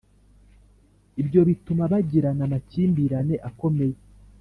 Ibyo bituma bagirana amakimbirane akomeye